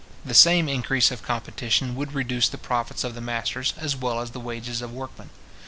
The same increase of competition would reduce the profits of the masters, as well as the wages of workmen.